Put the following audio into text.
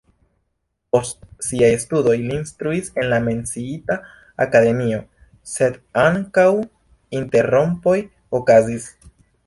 Post siaj studoj li instruis en la menciita akademio, sed ankaŭ interrompoj okazis.